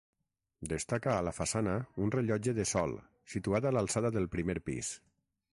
Destaca a la façana un rellotge de sol, situat a l'alçada del primer pis.